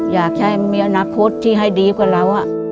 อยากให้มีอนาคตที่ให้ดีกว่าเรา